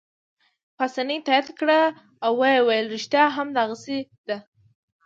پاسیني تایید کړه او ویې ویل: ریښتیا هم داسې ده.